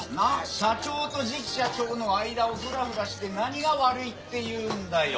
社長と次期社長の間をフラフラして何が悪いっていうんだよ？